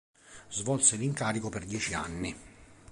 Svolse l'incarico per dieci anni.